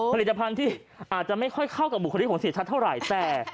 ผลิตภัณฑ์ที่อาจจะไม่ค่อยเข้ากับบุคลิกของเสียชัดเท่าไหร่แต่